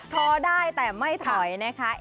ทอได้แต่ไม่ถอยนะคะ